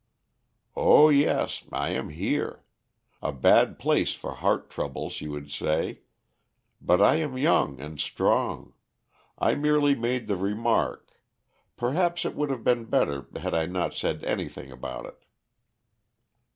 "Oh, yes, I am here. A bad place for heart troubles, you would say. But I am young and strong. I merely made the remark perhaps it would have been better had I not said anything about it."